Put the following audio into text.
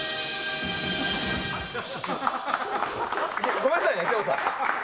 ごめんなさい、省吾さん。